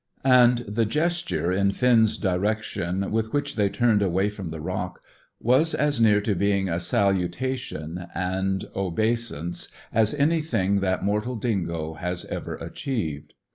And the gesture in Finn's direction, with which they turned away from the rock, was as near to being a salutation, an obeisance, as anything that mortal dingo has ever achieved.